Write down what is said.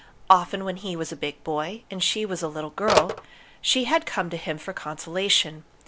Often, when he was a big boy and she was a little girl, she had come to him for consolation.